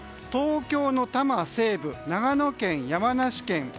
東京の多摩西部長野県、山梨県